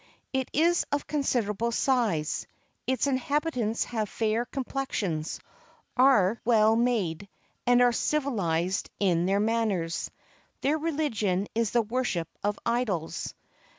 It is of considerable size; its inhabitants have fair complexions, are well made, and are civilized in their manners. Their religion is the worship of idols.